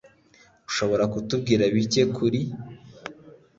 Ushobora kutubwira bike kuri ?